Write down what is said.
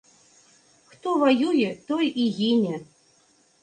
Хто ваюе, той і гіне!